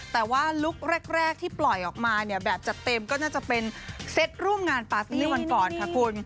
แต่ว่าลุคแรกที่ปล่อยออกมาเนี่ยแบบจัดเต็มก็น่าจะเป็นเซตร่วมงานปาร์ตี้วันก่อนค่ะคุณ